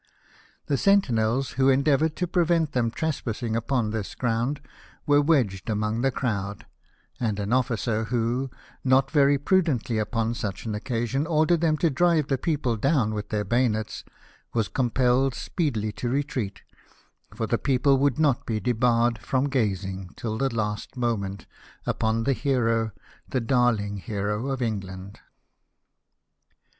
The sentinels, who endeavoured to prevent them trespassing upon this ground, were wedged among the crowd ; and an officer who, not very prudently upon such an occasion, ordered them to drive the people down with their bayonets, Avas compelled speedily to retreat, for the people would not be debarred from gazing, till the last moment, upon the hero, the darling hero of England.